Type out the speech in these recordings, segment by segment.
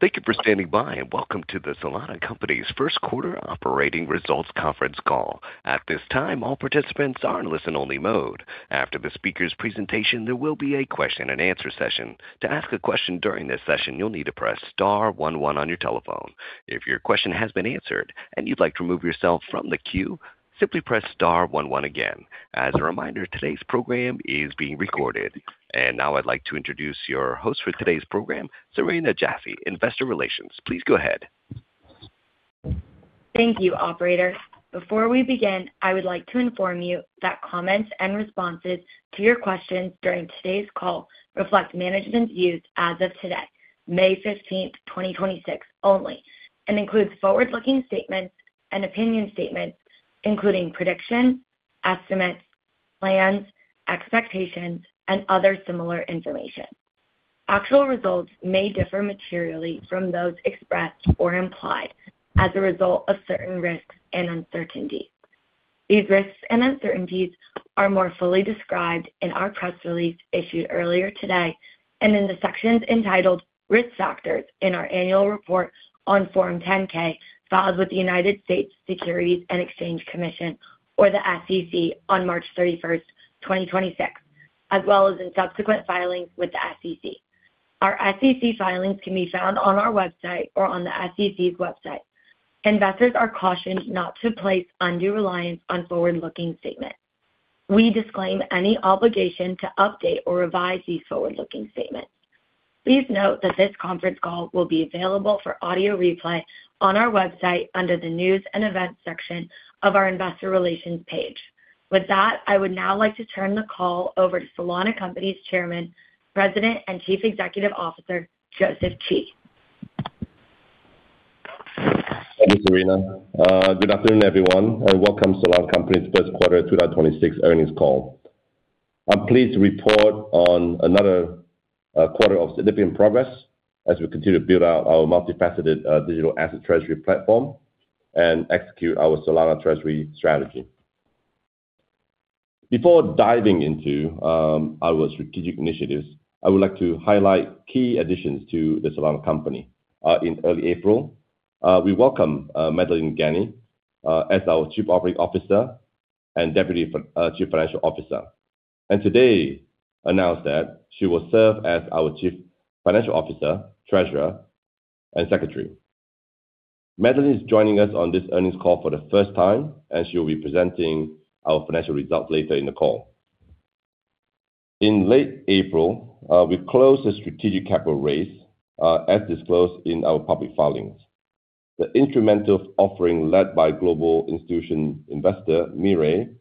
Thank you for standing by, and welcome to the Solana Company's first quarter operating results conference call. At this time, all participants are in listen-only mode. After the speaker's presentation, there will be a question and answer session. To ask a question during this session, you'll need to press star one one on your telephone. If your question has been answered and you'd like to remove yourself from the queue, simply press star one one again. As a reminder, today's program is being recorded. Now I'd like to introduce your host for today's program, Serena Jaffe, Investor Relations. Please go ahead. Thank you, operator. Before we begin, I would like to inform you that comments and responses to your questions during today's call reflect management views as of today, May 15th, 2026 only, and includes forward-looking statements and opinion statements, including predictions, estimates, plans, expectations, and other similar information. Actual results may differ materially from those expressed or implied as a result of certain risks and uncertainties. These risks and uncertainties are more fully described in our press release issued earlier today and in the sections entitled Risk Factors in our annual report on Form 10-K filed with the United States Securities and Exchange Commission or the SEC on March 31st, 2026, as well as in subsequent filings with the SEC. Our SEC filings can be found on our website or on the SEC's website. Investors are cautioned not to place undue reliance on forward-looking statements. We disclaim any obligation to update or revise these forward-looking statements. Please note that this conference call will be available for audio replay on our website under the News and Events section of our Investor Relations page. With that, I would now like to turn the call over to Solana Company's Chairman, President, and Chief Executive Officer, Joseph Chee. Thank you, Serena. Good afternoon, everyone, and welcome to Solana Company's first quarter 2026 earnings call. I'm pleased to report on another quarter of significant progress as we continue to build out our multifaceted digital asset treasury platform and execute our Solana treasury strategy. Before diving into our strategic initiatives, I would like to highlight key additions to the Solana Company. In early April, we welcomed Madelene Gani as our Chief Operating Officer and Deputy Chief Financial Officer, and today announced that she will serve as our Chief Financial Officer, Treasurer, and Secretary. Madelene is joining us on this earnings call for the first time, and she will be presenting our financial results later in the call. In late April, we closed a strategic capital raise as disclosed in our public filings. The institutional offering led by global institutional investor Mirae,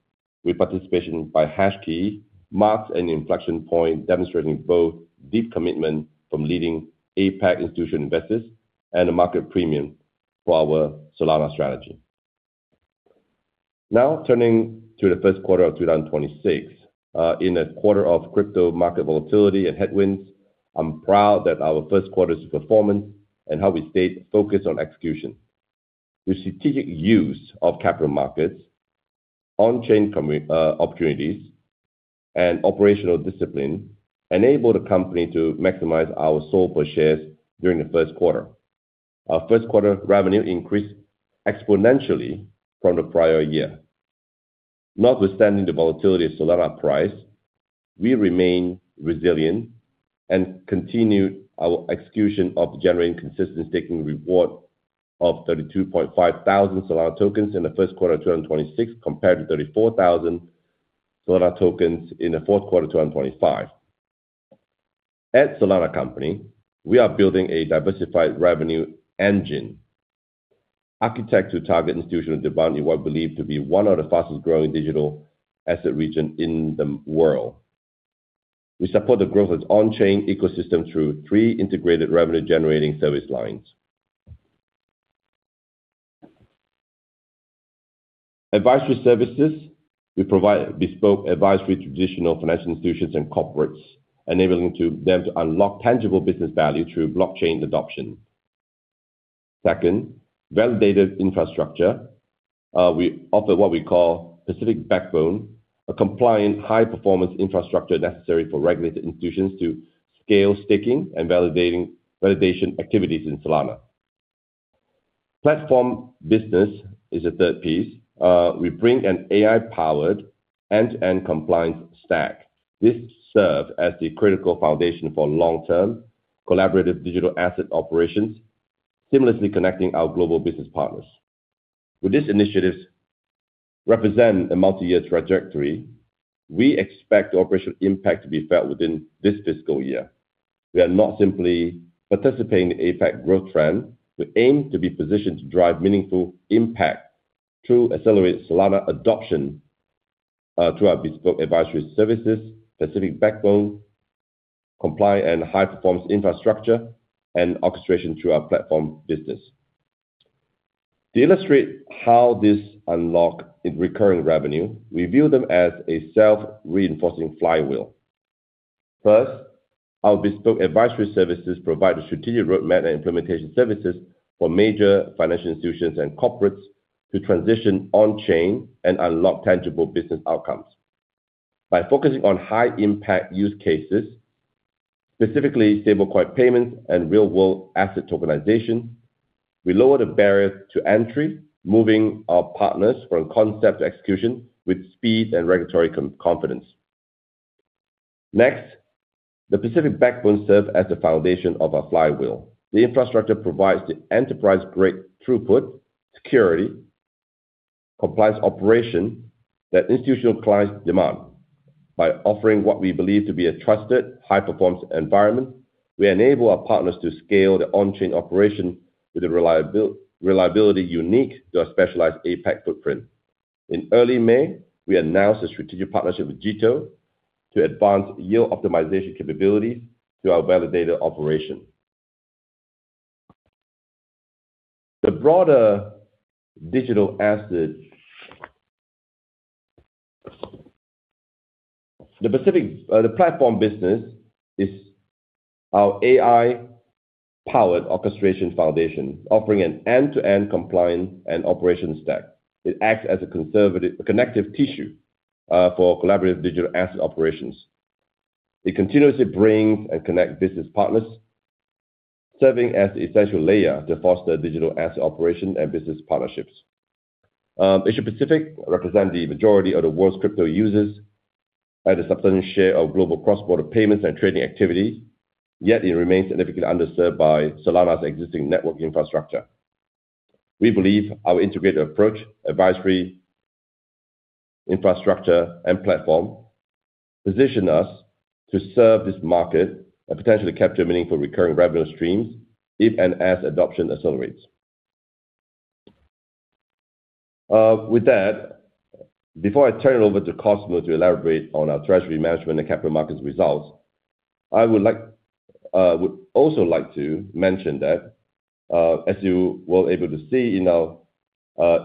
with participation by HashKey, marks an inflection point demonstrating both deep commitment from leading APAC institutional investors and a market premium for our Solana strategy. Now turning to the first quarter of 2026. In a quarter of crypto market volatility and headwinds, I'm proud that our first quarter's performance and how we stayed focused on execution. The strategic use of capital markets, on-chain opportunities, and operational discipline enabled the company to maximize our SOL per share during the first quarter. Our first quarter revenue increased exponentially from the prior year. Notwithstanding the volatility of Solana price, we remain resilient and continued our execution of generating consistent staking reward of 32,500 Solana tokens in the first quarter of 2026 compared to 34,000 Solana tokens in the fourth quarter of 2025. At Solana Company, we are building a diversified revenue engine architect to target institutional demand in what believed to be one of the fastest-growing digital asset region in the world. We support the growth of on-chain ecosystem through three integrated revenue-generating service lines. Advisory services, we provide bespoke advisory to traditional financial institutions and corporates, enabling them to unlock tangible business value through blockchain adoption. Second, validated infrastructure. We offer what we call Pacific Backbone, a compliant high-performance infrastructure necessary for regulated institutions to scale staking and validation activities in Solana. Platform business is the third piece. We bring an AI-powered end-to-end compliance stack. This serves as the critical foundation for long-term collaborative digital asset operations, seamlessly connecting our global business partners. With these initiatives represent a multi-year trajectory, we expect operational impact to be felt within this fiscal year. We are not simply participating in the APAC growth trend. We aim to be positioned to drive meaningful impact to accelerate Solana adoption through our bespoke advisory services, Pacific Backbone, compliant and high-performance infrastructure, and orchestration through our platform business. To illustrate how this unlock in recurring revenue, we view them as a self-reinforcing flywheel. First, our bespoke advisory services provide a strategic roadmap and implementation services for major financial institutions and corporates to transition on chain and unlock tangible business outcomes. By focusing on high impact use cases, specifically stablecoin payments and real world asset tokenization, we lower the barrier to entry, moving our partners from concept to execution with speed and regulatory confidence. Next, the Pacific Backbone serves as the foundation of our flywheel. The infrastructure provides the enterprise-grade throughput, security, compliance operation that institutional clients demand. By offering what we believe to be a trusted high-performance environment, we enable our partners to scale their on-chain operation with a reliability unique to our specialized APAC footprint. In early May, we announced a strategic partnership with Jito to advance yield optimization capabilities to our validator operation. The broader digital asset, the Pacific platform business is our AI-powered orchestration foundation, offering an end-to-end compliance and operation stack. It acts as a connective tissue for collaborative digital asset operations. It continuously brings and connect business partners, serving as the essential layer to foster digital asset operation and business partnerships. Asia Pacific represent the majority of the world's crypto users and a substantial share of global cross-border payments and trading activities, yet it remains significantly underserved by Solana's existing network infrastructure. We believe our integrated approach, advisory, infrastructure, and platform position us to serve this market and potentially capture meaningful recurring revenue streams if and as adoption accelerates. With that, before I turn it over to Cosmo to elaborate on our treasury management and capital markets results, I would also like to mention that, as you were able to see in our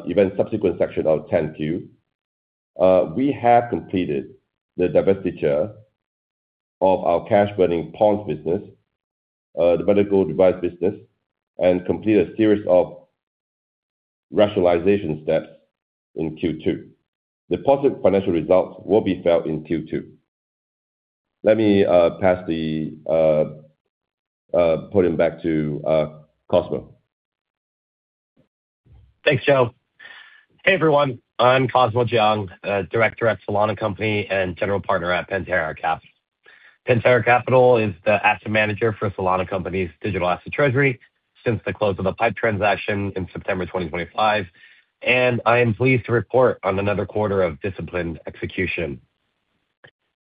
event subsequent section of the Form 10-Q, we have completed the divestiture of our cash burning pons business, the medical device business, and completed a series of rationalization steps in Q2. The positive financial results will be felt in Q2. Let me pass the podium back to Cosmo. Thanks, Joseph Chee. Hey, everyone, I'm Cosmo Jiang, Director at Solana Company and General Partner at Pantera Capital. Pantera Capital is the asset manager for Solana Company's digital asset treasury since the close of the PIPE transaction in September 2025, and I am pleased to report on another quarter of disciplined execution.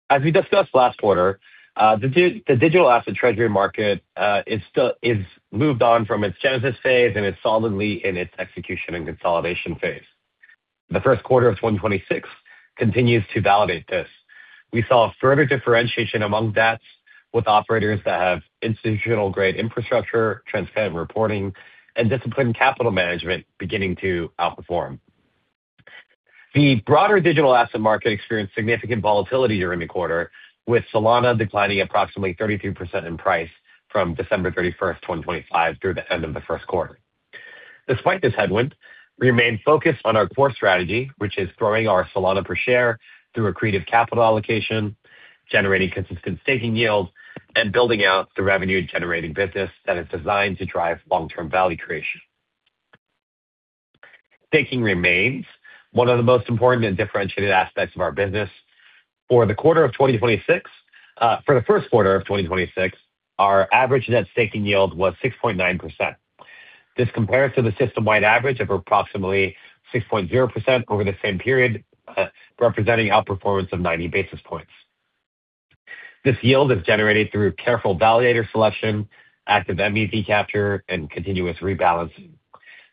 As we discussed last quarter, the digital asset treasury market is moved on from its genesis phase and is solidly in its execution and consolidation phase. The first quarter of 2026 continues to validate this. We saw a further differentiation among DATS with operators that have institutional-grade infrastructure, transparent reporting, and disciplined capital management beginning to outperform. The broader digital asset market experienced significant volatility during the quarter, with Solana declining approximately 32% in price from December 31st, 2025, through the end of the first quarter. Despite this headwind, we remain focused on our core strategy, which is growing our SOL per share through accretive capital allocation, generating consistent staking yields, and building out the revenue-generating business that is designed to drive long-term value creation. Staking remains one of the most important and differentiated aspects of our business. For the first quarter of 2026, our average net staking yield was 6.9%. This compares to the system-wide average of approximately 6.0% over the same period, representing outperformance of 90 basis points. This yield is generated through careful validator selection, active MEV capture, and continuous rebalancing.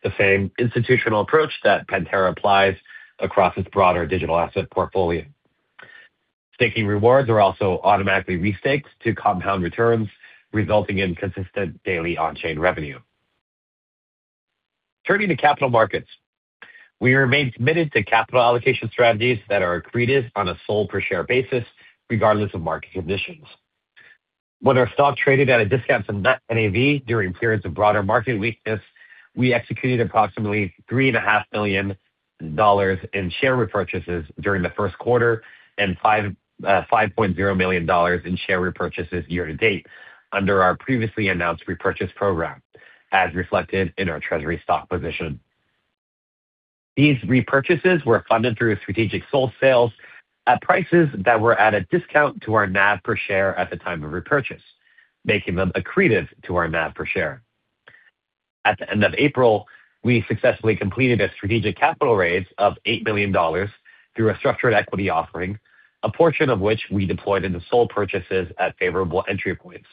The same institutional approach that Pantera applies across its broader digital asset portfolio. Staking rewards are also automatically re-staked to compound returns, resulting in consistent daily on-chain revenue. Turning to capital markets. We remain committed to capital allocation strategies that are accretive on a SOL per share basis, regardless of market conditions. When our stock traded at a discount to net NAV during periods of broader market weakness, we executed approximately three and a half million dollars in share repurchases during the first quarter and $5.0 million in share repurchases year to date under our previously announced repurchase program, as reflected in our treasury stock position. These repurchases were funded through strategic SOL sales at prices that were at a discount to our NAV per share at the time of repurchase, making them accretive to our NAV per share. At the end of April, we successfully completed a strategic capital raise of $8 million through a structured equity offering, a portion of which we deployed into SOL purchases at favorable entry points.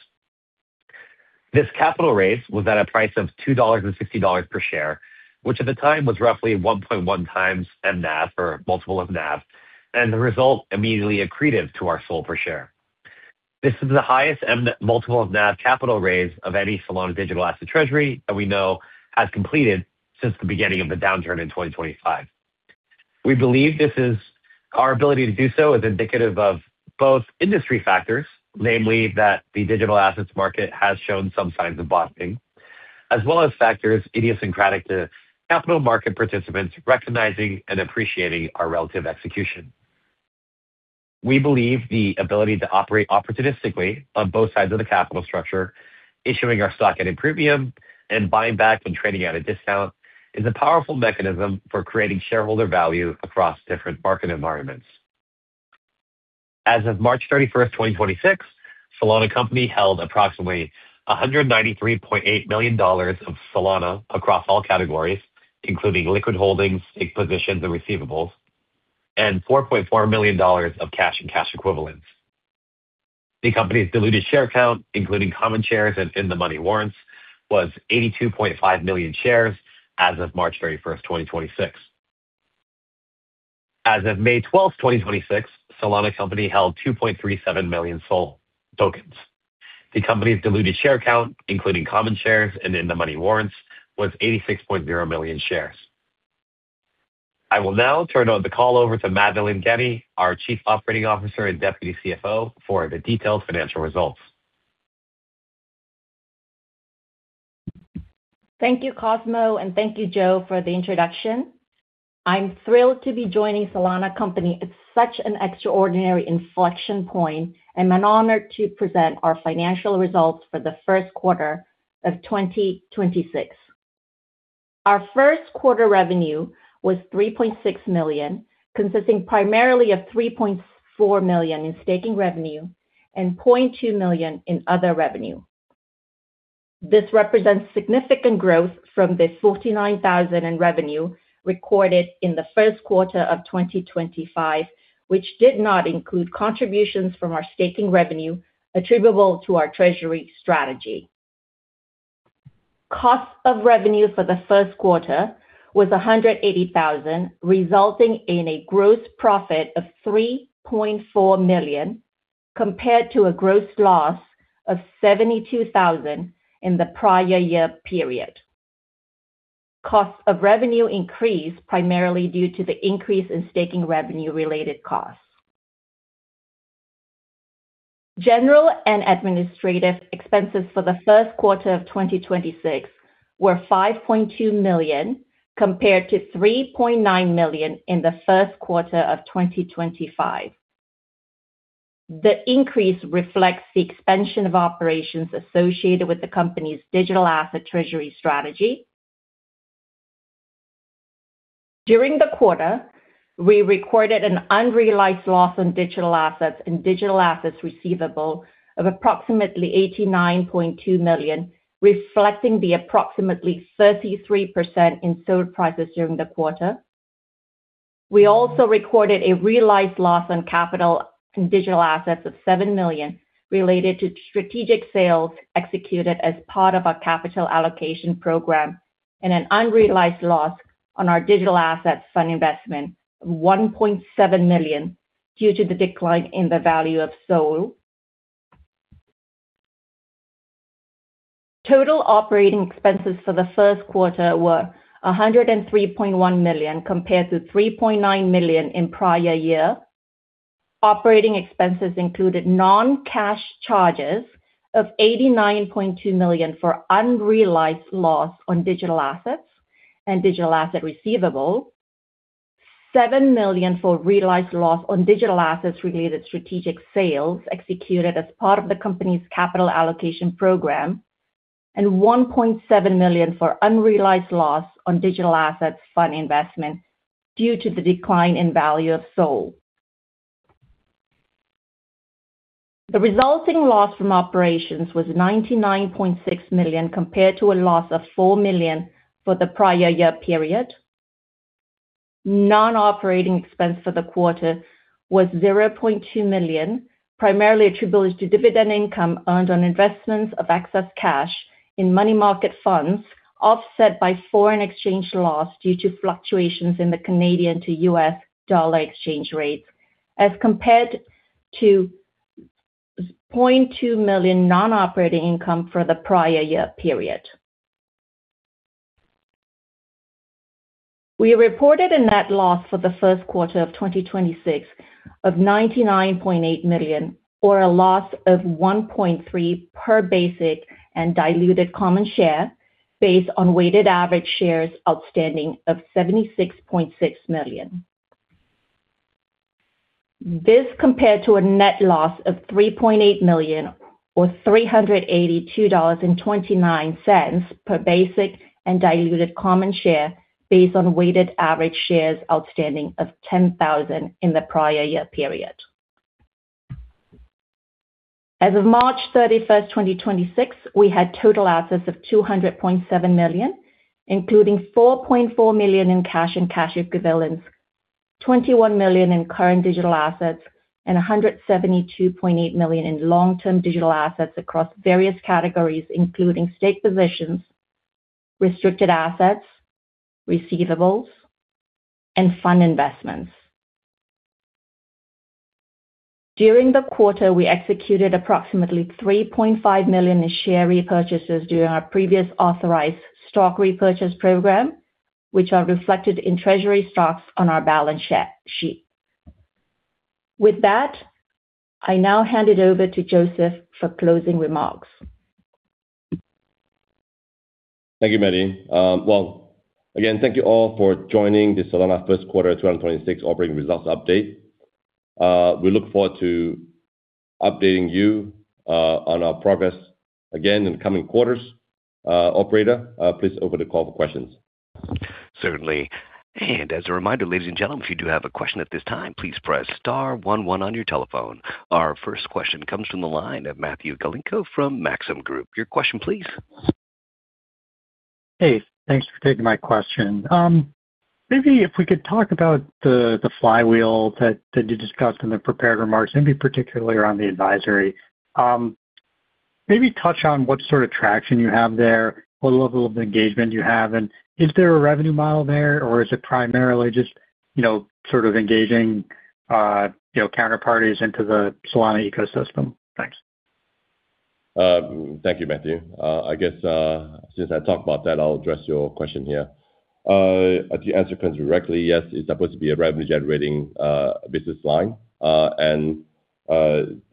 This capital raise was at a price of $2.60 per share, which at the time was roughly 1.1x NAV or multiple of NAV. The result immediately accretive to our SOL per share. This is the highest multiple of NAV capital raise of any Solana digital asset treasury that we know has completed since the beginning of the downturn in 2025. We believe this is our ability to do so is indicative of both industry factors, namely that the digital assets market has shown some signs of bottoming. As well as factors idiosyncratic to capital market participants recognizing and appreciating our relative execution. We believe the ability to operate opportunistically on both sides of the capital structure, issuing our stock at a premium and buying back when trading at a discount, is a powerful mechanism for creating shareholder value across different market environments. As of March 31st, 2026, Solana Company held approximately $193.8 million of Solana across all categories, including liquid holdings, stake positions, and receivables, and $4.4 million of cash and cash equivalents. The company's diluted share count, including common shares and in-the-money warrants, was 82.5 million shares as of March 31st, 2026. As of May 12th, 2026, Solana Company held 2.37 million SOL tokens. The company's diluted share count, including common shares and in-the-money warrants, was 86.0 million shares. I will now turn the call over to Madelene Gani, our Chief Operating Officer and Deputy CFO, for the detailed financial results. Thank you, Cosmo, and thank you, Joe, for the introduction. I'm thrilled to be joining Solana Company at such an extraordinary inflection point, and I'm honored to present our financial results for the first quarter of 2026. Our first quarter revenue was $3.6 million, consisting primarily of $3.4 million in staking revenue and $0.2 million in other revenue. This represents significant growth from the $49,000 in revenue recorded in the first quarter of 2025, which did not include contributions from our staking revenue attributable to our treasury strategy. Cost of revenue for the first quarter was $180,000, resulting in a gross profit of $3.4 million, compared to a gross loss of $72,000 in the prior year period. Cost of revenue increased primarily due to the increase in staking revenue-related costs. General and administrative expenses for the first quarter of 2026 were $5.2 million, compared to $3.9 million in the first quarter of 2025. The increase reflects the expansion of operations associated with the company's digital asset treasury strategy. During the quarter, we recorded an unrealized loss on digital assets and digital assets receivable of approximately $89.2 million, reflecting the approximately 33% in SOL prices during the quarter. We also recorded a realized loss on capital and digital assets of $7 million related to strategic sales executed as part of our capital allocation program and an unrealized loss on our digital assets fund investment of $1.7 million due to the decline in the value of SOL. Total operating expenses for the first quarter were $103.1 million, compared to $3.9 million in prior year. Operating expenses included non-cash charges of $89.2 million for unrealized loss on digital assets and digital asset receivable, $7 million for realized loss on digital assets related strategic sales executed as part of the company's capital allocation program, and $1.7 million for unrealized loss on digital assets fund investment due to the decline in value of SOL. The resulting loss from operations was $99.6 million, compared to a loss of $4 million for the prior year period. Non-operating expense for the quarter was $0.2 million, primarily attributable to dividend income earned on investments of excess cash in money market funds, offset by foreign exchange loss due to fluctuations in the Canadian to US dollar exchange rates, as compared to $0.2 million non-operating income for the prior year period. We reported a net loss for the first quarter of 2026 of $99.8 million, or a loss of $1.3 per basic and diluted common share based on weighted average shares outstanding of 76.6 million. This compared to a net loss of $3.8 million or $382.29 per basic and diluted common share based on weighted average shares outstanding of 10,000 in the prior year period. As of March 31, 2026, we had total assets of $200.7 million, including $4.4 million in cash and cash equivalents, $21 million in current digital assets, and $172.8 million in long-term digital assets across various categories, including stake positions, restricted assets, receivables, and fund investments. During the quarter, we executed approximately $3.5 million in share repurchases during our previous authorized stock repurchase program, which are reflected in treasury stocks on our balance sheet. With that, I now hand it over to Joseph for closing remarks. Thank you, Maddie. Well, again, thank you all for joining the Solana first quarter 2026 operating results update. We look forward to updating you on our progress again in the coming quarters. Operator, please open the call for questions. Certainly. As a reminder, ladies and gentlemen, if you do have a question at this time, please press star one one on your telephone. Our first question comes from the line of Matthew Galinko from Maxim Group. Your question please. Hey, thanks for taking my question. Maybe if we could talk about the flywheel that you discussed in the prepared remarks, maybe particularly around the advisory. Maybe touch on what sort of traction you have there, what level of engagement you have, and is there a revenue model there, or is it primarily just, you know, sort of engaging, you know, counterparties into the Solana ecosystem? Thanks. Thank you, Matthew. I guess, since I talked about that, I'll address your question here. The answer comes directly, yes, it's supposed to be a revenue-generating business line.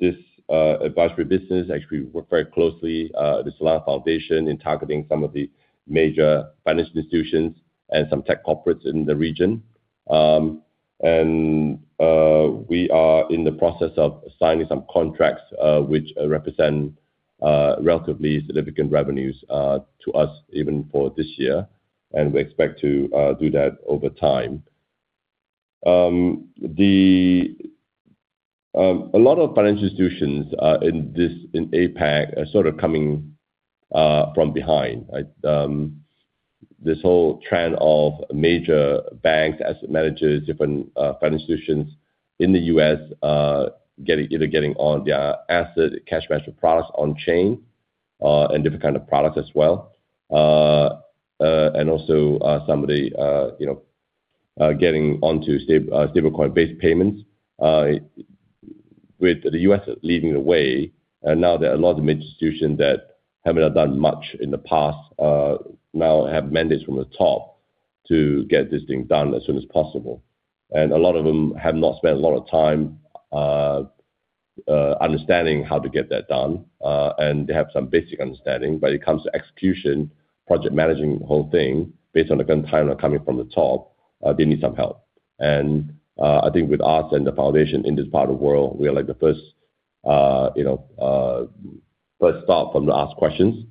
This advisory business actually work very closely with the Solana Foundation in targeting some of the major financial institutions and some tech corporates in the region. We are in the process of signing some contracts, which represent relatively significant revenues to us even for this year, and we expect to do that over time. A lot of financial institutions in this, in APAC are sort of coming from behind. This whole trend of major banks, asset managers, different financial institutions in the U.S. either getting on their asset cash management products on chain and different kind of products as well. And also some of the getting onto stablecoin-based payments with the U.S. leading the way. Now there are a lot of institutions that haven't done much in the past, now have mandates from the top to get this thing done as soon as possible. A lot of them have not spent a lot of time understanding how to get that done, and they have some basic understanding. It comes to execution, project managing the whole thing based on the current timeline coming from the top, they need some help. I think with us and the Solana Foundation in this part of the world, we are like the first, you know, first stop from the ask questions.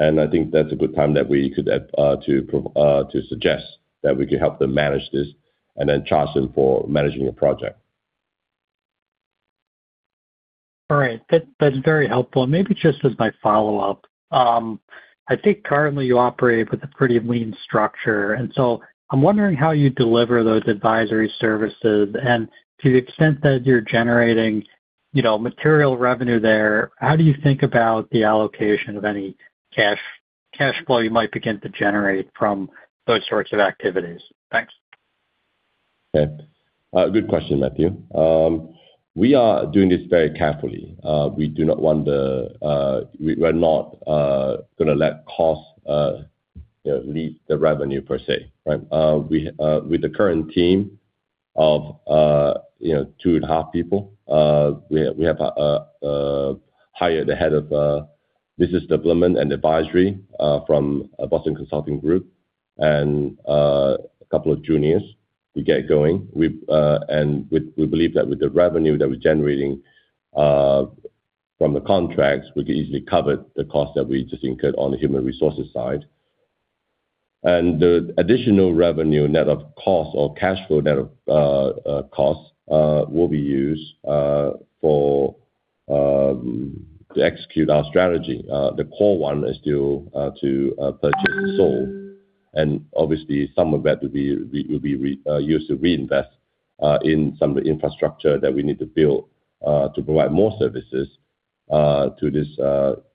I think that's a good time that we could to suggest that we could help them manage this and then charge them for managing the project. All right. That's very helpful. Maybe just as my follow-up, I think currently you operate with a pretty lean structure, and so I'm wondering how you deliver those advisory services. To the extent that you're generating, you know, material revenue there, how do you think about the allocation of any cash flow you might begin to generate from those sorts of activities? Thanks. Okay. Good question, Matthew. We are doing this very carefully. We do not want the, we're not gonna let costs, you know, lead the revenue per se, right? We, with the current team of, you know, two and a half people, we have hired the head of business development and advisory from Boston Consulting Group and a couple of juniors to get going. We believe that with the revenue that we're generating from the contracts, we can easily cover the cost that we just incurred on the human resources side. The additional revenue net of cost or cash flow net of cost will be used for to execute our strategy. The core one is still to purchase SOL. Obviously, some of that will be, will be used to reinvest in some of the infrastructure that we need to build to provide more services to these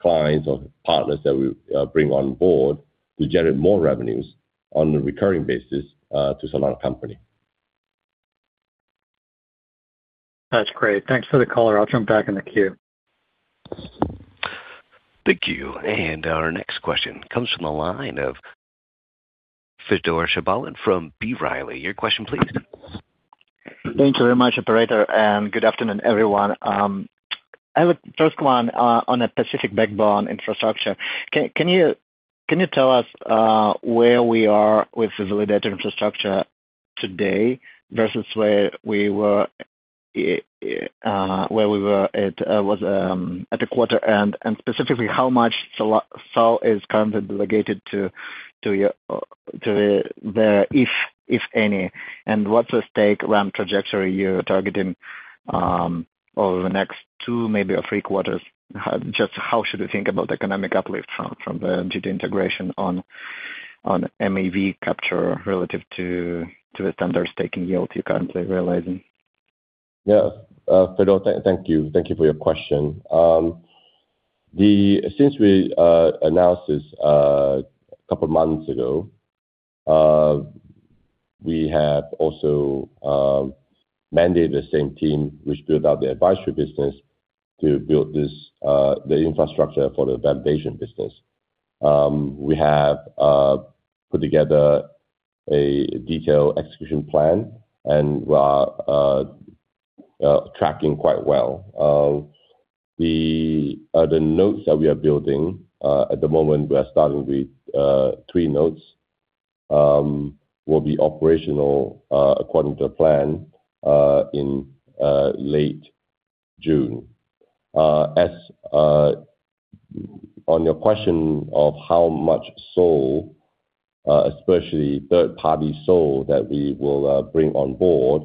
clients or partners that we bring on board to generate more revenues on a recurring basis to Solana Company. That's great. Thanks for the color. I'll jump back in the queue. Thank you. Our next question comes from the line of Fedor Shabalin from B. Riley. Your question please. Thank you very much, operator, and good afternoon, everyone. I have a first one on a specific backbone infrastructure. Can you tell us where we are with the validator infrastructure today versus where we were at the quarter end? Specifically, how much SOL is currently delegated to your, to the, if any? What's the stake run trajectory you're targeting over the next two, maybe or three quarters? Just how should we think about economic uplift from the Jito integration on MEV capture relative to the standard staking yield you're currently realizing? Yeah. Fedor, thank you. Thank you for your question. Since we announced this two months ago, we have also mandated the same team which built out the advisory business to build the infrastructure for the validation business. We have put together a detailed execution plan. We are tracking quite well. The nodes that we are building, at the moment we are starting with three nodes, will be operational according to plan in late June. As on your question of how much SOL, especially third-party SOL that we will bring on board,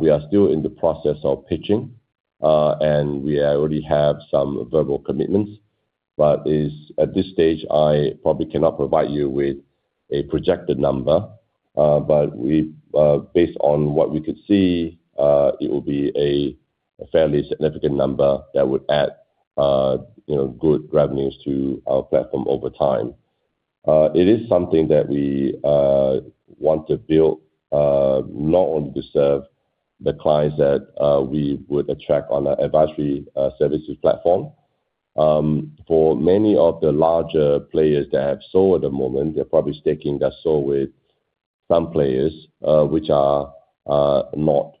we are still in the process of pitching. We already have some verbal commitments. At this stage, I probably cannot provide you with a projected number. Based on what we could see, it will be a fairly significant number that would add, you know, good revenues to our platform over time. It is something that we want to build, not only to serve the clients that we would attract on our advisory services platform. For many of the larger players that have SOL at the moment, they're probably staking their SOL with some players, which are not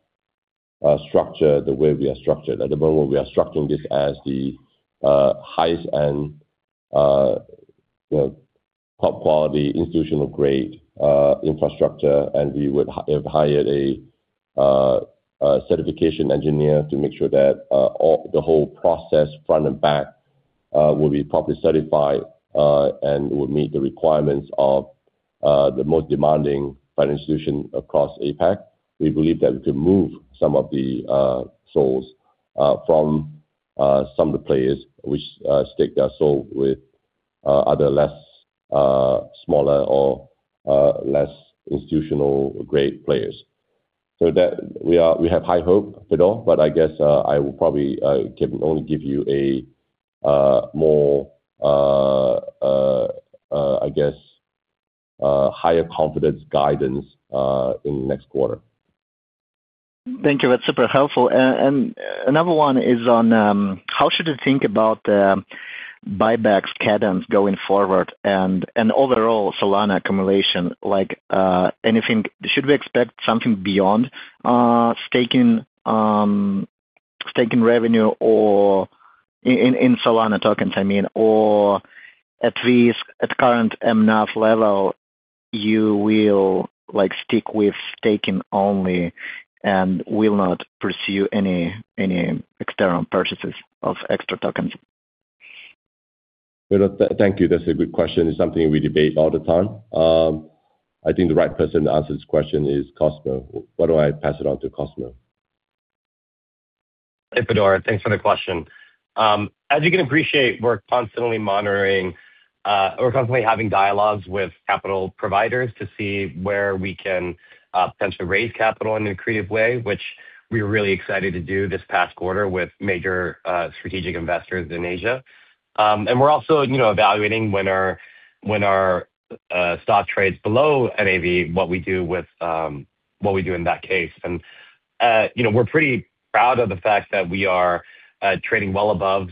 structured the way we are structured. At the moment, we are structuring this as the highest-end, you know, top-quality institutional grade infrastructure, and we would have hired a certification engineer to make sure that all, the whole process front and back, will be properly certified, and will meet the requirements of the most demanding financial institution across APAC. We believe that we can move some of the SOLs from some of the players which stake their SOL with other less smaller or less institutional grade players. We have high hope, Fedor, but I guess I will probably can only give you a more higher confidence guidance in the next quarter. Thank you. That's super helpful. Another one is on how should I think about buybacks cadence going forward and overall Solana accumulation? Like, anything Should we expect something beyond staking revenue or in Solana tokens, I mean? Or at least at current MNAV level, you will, like, stick with staking only and will not pursue any external purchases of extra tokens? Fedor, thank you. That's a good question. It's something we debate all the time. I think the right person to answer this question is Cosmo. Why don't I pass it on to Cosmo? Hey, Fedor. Thanks for the question. As you can appreciate, we're constantly monitoring, or constantly having dialogues with capital providers to see where we can potentially raise capital in a creative way, which we were really excited to do this past quarter with major strategic investors in Asia. We're also, you know, evaluating when our stock trades below NAV, what we do with what we do in that case. You know, we're pretty proud of the fact that we are trading well above,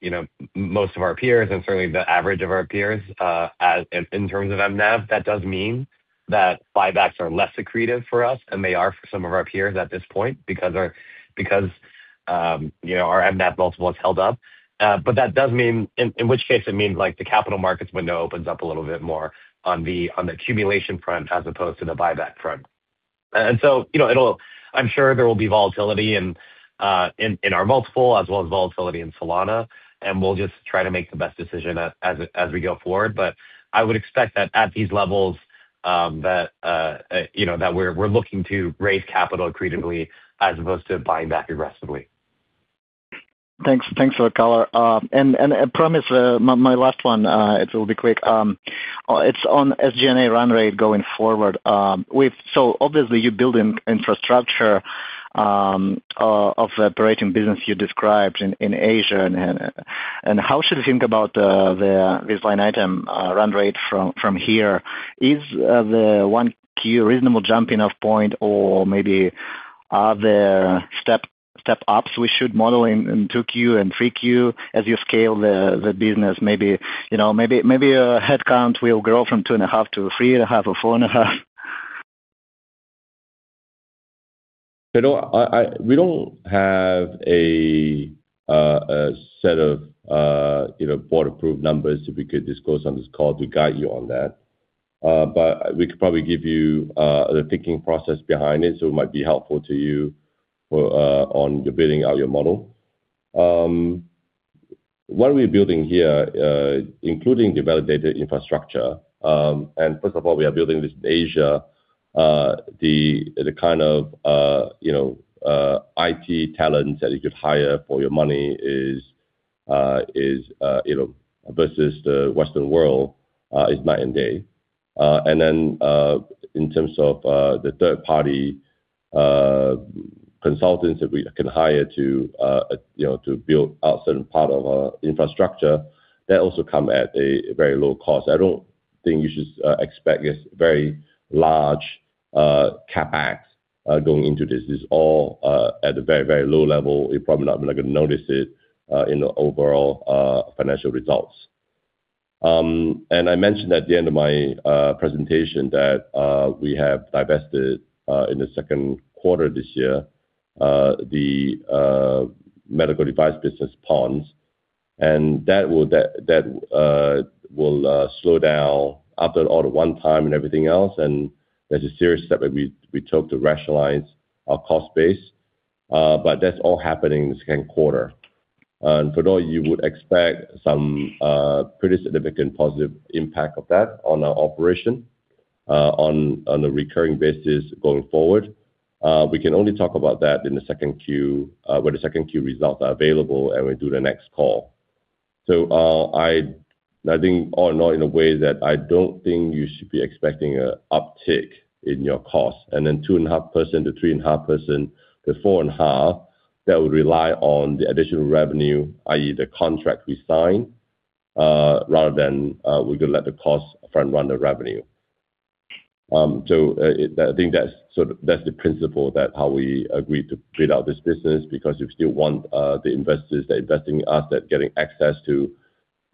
you know, most of our peers and certainly the average of our peers as in terms of MNAV. That does mean that buybacks are less accretive for us than they are for some of our peers at this point because our, you know, our MNAV multiple has held up. That does mean in which case it means, like, the capital markets window opens up a little bit more on the accumulation front as opposed to the buyback front. You know, I'm sure there will be volatility in our multiple as well as volatility in Solana, and we'll just try to make the best decision as we go forward. I would expect that at these levels, you know, that we're looking to raise capital accretively as opposed to buying back aggressively. Thanks. Thanks for the color. I promise, my last one, it will be quick. It's on SG&A run rate going forward. Obviously, you're building infrastructure of the operating business you described in Asia. How should we think about this line item run rate from here? Is the one key reasonable jumping off point or maybe are there step ups we should model in 2Q and 3Q as you scale the business? Maybe, you know, headcount will grow from 2.5 to 3.5 or 4.5. Fedor, I We don't have a set of, you know, board-approved numbers that we could disclose on this call to guide you on that. We could probably give you the thinking process behind it, so it might be helpful to you for on building out your model. What we're building here, including the validated infrastructure, first of all, we are building this in Asia, the kind of, you know, IT talent that you could hire for your money is, you know, versus the Western world, is night and day. Then, in terms of the third-party consultants that we can hire to, you know, to build out certain part of our infrastructure, that also come at a very low cost. I don't think you should expect is very large CapEx going into this. It's all at a very, very low level. You're probably not even gonna notice it in the overall financial results. I mentioned at the end of my presentation that we have divested in the second quarter this year the medical device business PoNS. That will slow down after all the one time and everything else, and that's a serious step that we took to rationalize our cost base. That's all happening in the second quarter. For now, you would expect some pretty significant positive impact of that on our operation on a recurring basis going forward. We can only talk about that in the second Q when the second Q results are available, and we do the next call. I think all in all in a way that I don't think you should be expecting a uptick in your cost. 2.5% to 3.5% to 4.5%, that would rely on the additional revenue, i.e. the contract we sign, rather than we could let the cost front run the revenue. I think that's sort of that's the principle that how we agreed to build out this business because we still want the investors that are investing in us, that getting access to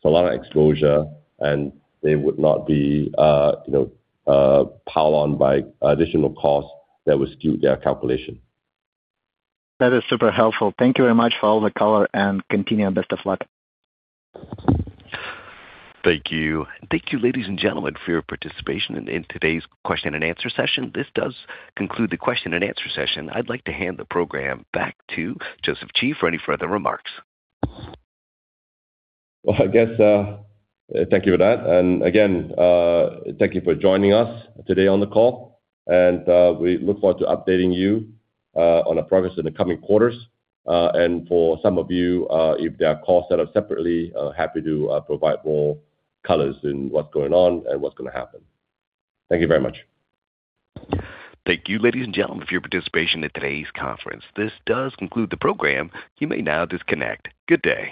Solana exposure, and they would not be, you know, piled on by additional costs that would skew their calculation. That is super helpful. Thank you very much for all the color and continue and best of luck. Thank you. Thank you, ladies and gentlemen, for your participation in today's question and answer session. This does conclude the question and answer session. I'd like to hand the program back to Joseph Chee for any further remarks. Well, I guess, thank you for that. Again, thank you for joining us today on the call, and we look forward to updating you on our progress in the coming quarters. For some of you, if there are calls set up separately, happy to provide more colors in what's going on and what's going to happen. Thank you very much. Thank you, ladies and gentlemen, for your participation in today's conference. This does conclude the program. You may now disconnect. Good day.